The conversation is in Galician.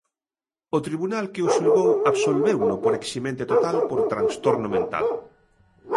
O tribunal que o xulgou absolveuno por eximente total por trastorno mental.